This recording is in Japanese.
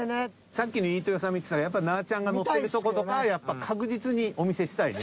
さっきの飯豊さん見てたらやっぱなぁちゃんが乗ってるとことかやっぱ確実にお見せしたいね